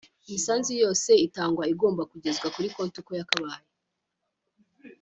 Imisanzu yose itangwa igomba kugezwa kuri konti uko yakabaye